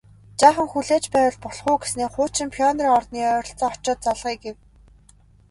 Жаахан хүлээж байвал болох уу гэснээ хуучин Пионерын ордны ойролцоо очоод залгая гэв